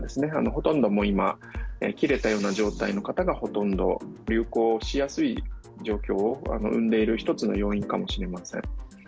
ほとんどもう今、切れたような状態の方がほとんど、流行しやすい状況を生んでいる一つの要因かもしれません。